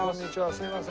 すいません。